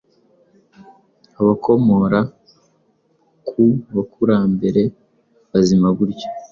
abakomora ku Bakurambere bazima gutyo